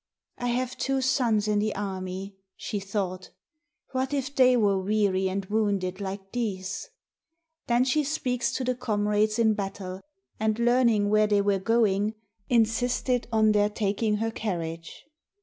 I have two sons in the army, she thought; what if they were weary and wounded like these? Then she speaks to the comrades in battle, and learning where they were going, insisted on their taking her carriage.